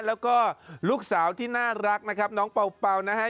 แล้วก็ลูกสาวที่น่ารักนะครับน้องเป่านะฮะ